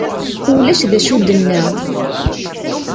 Ulac d acu i d-tenna.